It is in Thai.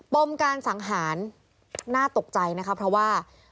ปมการสังหารน่าตกใจนะคะเพราะว่า